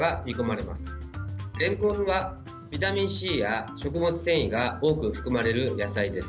れんこんは、ビタミンＣや食物繊維が多く含まれる野菜です。